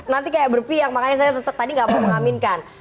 nanti kayak berpiang makanya saya tetap tadi nggak mau mengaminkan